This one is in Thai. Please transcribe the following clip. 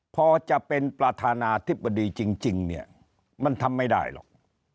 พอจะเป็นประธานาธิบดีจริงเนี่ยมันทำไม่ได้หรอก